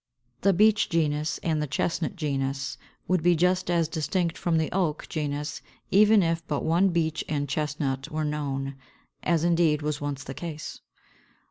The Beech genus and the Chestnut genus would be just as distinct from the Oak genus even if but one Beech and Chestnut were known; as indeed was once the case.